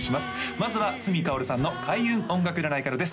まずは角かおるさんの開運音楽占いからです